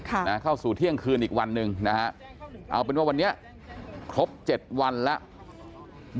เข้าสู่เที่ยงคืนอีกวันหนึ่งนะฮะเอาเป็นว่าวันนี้ครบเจ็ดวันแล้ว